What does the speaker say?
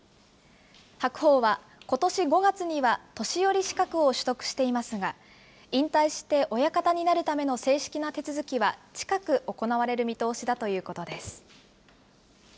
白鵬はことし５月には年寄資格を取得していますが、引退して親方になるための正式な手続きは、近く行われる見通しだということです。